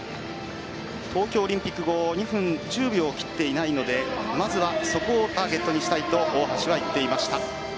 東京オリンピック後２分１４を切っていないのでまずはそこをターゲットにしたいと大橋は言っていました。